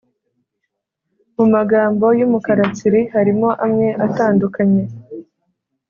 Mu magambo y’umukara tsiri harimo amwe atandukanye